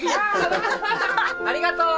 ありがとう！